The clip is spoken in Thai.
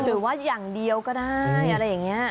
หรือว่าอย่างเดียวก็ได้อะไรอย่างนี้